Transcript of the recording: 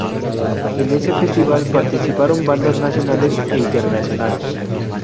En ese festival participaron bandas nacionales e internacionales.